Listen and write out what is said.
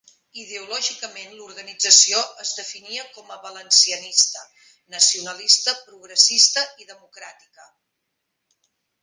Ideològicament l'organització es definia com valencianista, nacionalista, progressista i democràtica.